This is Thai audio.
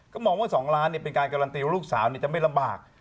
ก็มองว่า๒ล้านเป็นการการันตีว่าลูกสาวจะไม่ลำบาก